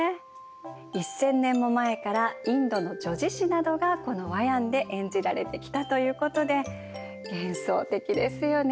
１，０００年も前からインドの叙事詩などがこのワヤンで演じられてきたということで幻想的ですよね。